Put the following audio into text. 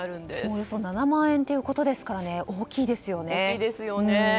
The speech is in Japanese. およそ７万円ということですから大きいですよね。